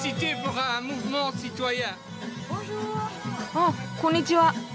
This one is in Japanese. あっこんにちは。